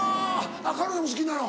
あっ彼女も好きなの？